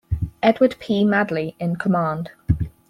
Edward P. Madley in command.